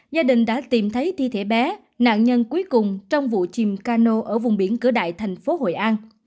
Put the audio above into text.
gia đình đã tìm thấy thi thể bé nạn nhân cuối cùng trong vụ chìm cano ở vùng biển cửa đại thành phố hội an